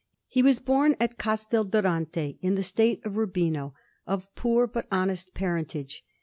He was born at Castel Durante, in the State of Urbino, of poor but honest parentage.